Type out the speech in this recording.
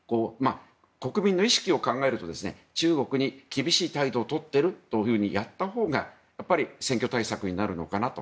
国民の意識を考えると中国に厳しい態度を取っているとやったほうが選挙対策になるのかなと。